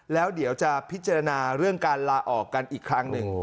แล้วเดี๋ยวจะพิจารณาเรื่องการลาออกกันอีกครั้งหนึ่ง